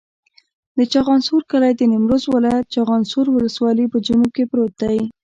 د چخانسور کلی د نیمروز ولایت، چخانسور ولسوالي په جنوب کې پروت دی.